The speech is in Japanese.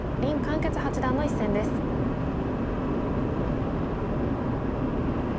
傑八段の一戦です。